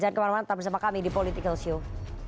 jangan kemana mana tetap bersama kami di political show